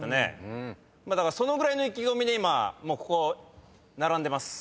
そのぐらいの意気込みで今ここ並んでます。